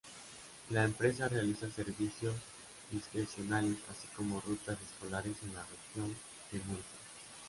La empresa realiza servicios discrecionales, así como rutas escolares en la Región de Murcia.